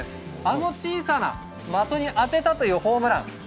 あの小さな的に当てたというホームラン。